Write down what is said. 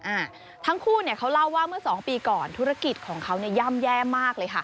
อ่าทั้งคู่เนี่ยเขาเล่าว่าเมื่อสองปีก่อนธุรกิจของเขาเนี่ยย่ำแย่มากเลยค่ะ